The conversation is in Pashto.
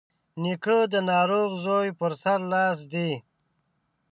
نیکه د ناروغ زوی پر سر لاس ږدي.